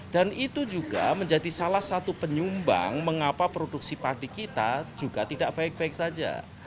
itu juga menjadi salah satu penyumbang mengapa produksi padi kita juga tidak baik baik saja